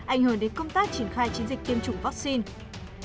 ảnh hưởng đến công tác triển khai chiến dịch tiêm chủng vaccine